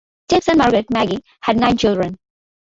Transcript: James and Margaret Magee had nine children.